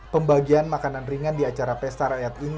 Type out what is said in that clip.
pembagian makanan ringan di acara pesta rakyat ini